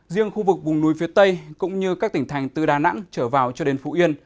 riêng khu vực vùng núi phía tây cũng như các tỉnh thành từ đà nẵng trở vào cho đến phú yên